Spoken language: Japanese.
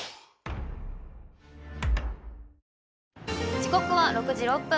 時刻は６時６分。